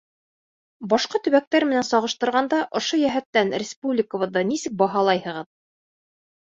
— Башҡа төбәктәр менән сағыштырғанда ошо йәһәттән республикабыҙҙы нисек баһалайһығыҙ?